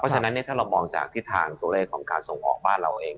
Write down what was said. ฉะนั้นถ้าเรามองจากทิศทางตัวเลขของการส่งออกบ้านเราเอง